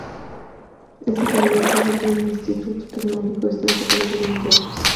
Es Ingeniera Civil por el Instituto Tecnológico de Estudios Superiores de Monterrey.